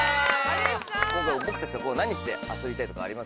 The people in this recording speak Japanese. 今回僕たちと何して遊びたいとかありますか？